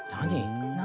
「何？」